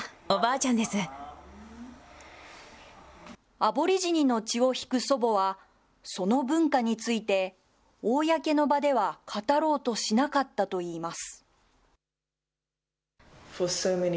アボリジニの血を引く祖母は、その文化について、公の場では語ろうとしなかったといいます。